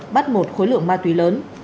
bắt một khối lượng ma túy lớn